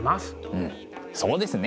うんそうですね！